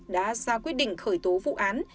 đã ra quyết định khởi tố vụ án